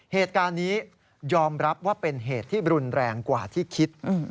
เหตุการณ์นี้ยอมรับว่าเป็นเหตุที่รุนแรงกว่าที่คิด